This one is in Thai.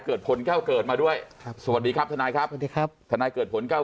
เกิดผลเก้าเกิดมาด้วยสวัสดีครับทนายครับทนายเกิดผลเก้า